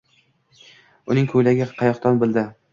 Uning ko'ylagi qayoqdan bildi?